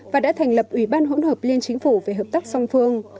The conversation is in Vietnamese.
và đã thành lập ủy ban hỗn hợp liên chính phủ về hợp tác song phương